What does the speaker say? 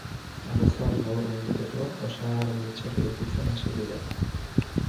Arazoari aurre giteko, osagarri etxeak eraikitzen hasi dira.